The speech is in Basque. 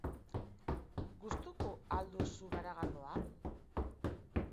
Gustuko al duzu garagardoa?